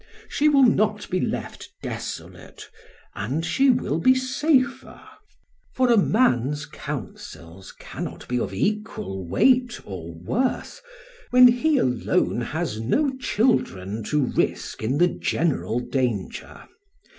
She will not be left desolate, and she will be safer. For a man's counsels cannot be of equal weight or worth, when he alone has no children to risk in the general danger.